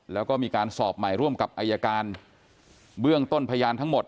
แล้วก็มีการสอบใหม่ร่วมกับอายการเบื้องต้นพยานทั้งหมด